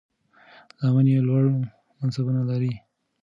زامن یې لوړ منصبونه لري.